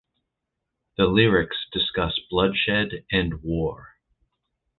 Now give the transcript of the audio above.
The lyrics discuss bloodshed and war.